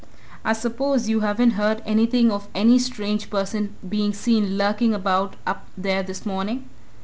"I suppose you haven't heard anything of any strange person being seen lurking about up there this morning?"